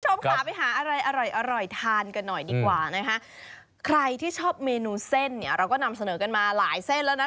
คุณผู้ชมค่ะไปหาอะไรอร่อยอร่อยทานกันหน่อยดีกว่านะคะใครที่ชอบเมนูเส้นเนี่ยเราก็นำเสนอกันมาหลายเส้นแล้วนะ